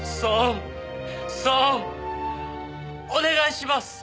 お願いします。